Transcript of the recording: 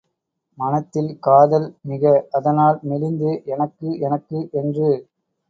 மனத்தில் காதல் மிக அதனால் மெலிந்து எனக்கு எனக்கு, என்று.